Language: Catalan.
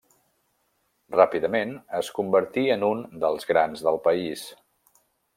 Ràpidament es convertí en un dels grans del país.